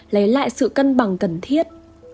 lấy lại sự cân bằng cần thiết